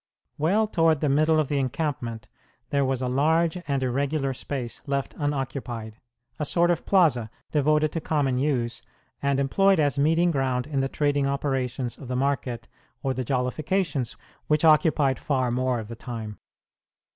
Well toward the middle of the encampment there was a large and irregular space left unoccupied, a sort of plaza, devoted to common use, and employed as meeting ground in the trading operations of the market, or the jollifications, which occupied far more of the time.